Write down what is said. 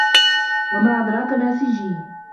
وَما أَدراكَ ما سِجّينٌ